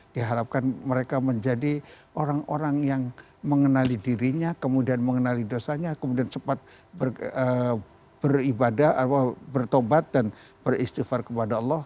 diharapkan mereka menjadi orang orang yang mengenali dirinya kemudian mengenali dosanya kemudian cepat beribadah bertobat dan beristighfar kepada allah